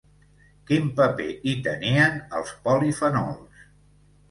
Quin paper hi tenien els polifenols?